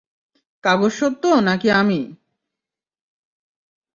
কাগজ সত্য নাকি আমি?